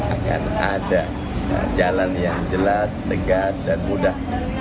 akan ada jalan yang jelas tegas dan mudah